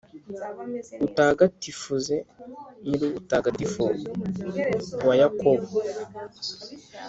batagatifuze Nyirubutagatifu wa Yakobo,